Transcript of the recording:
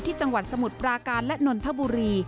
จังหวัดสมุทรปราการและนนทบุรี